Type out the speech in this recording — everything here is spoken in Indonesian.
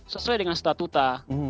sesuai dengan statuta